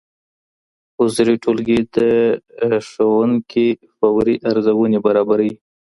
حضوري ټولګي د ښوونکي فوري ارزونه برابروي.